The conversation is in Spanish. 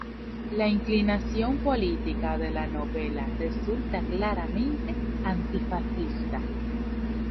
La inclinación política de la novela resulta claramente antifascista.